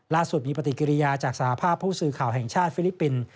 ล่าสุดมีปฏิกิริยาจากสหภาพผู้สื่อข่าวแห่งชาติฟิลิปปินส์